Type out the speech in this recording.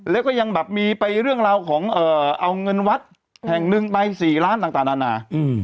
แล้วก็ยังแบบมีไปเรื่องราวของเอ่อเอาเงินวัตถ์แห่งหนึ่งใต้สี่ล้านต่างต่างนา